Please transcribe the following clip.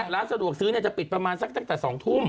ร้านสะดวกซื้อจะปิดประมาณสักตั้งแต่๒ทุ่ม